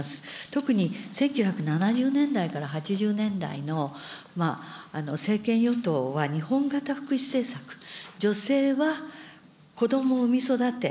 特に１９７０年代から８０年代の政権与党は、日本型福祉政策、女性は子どもを産み育て、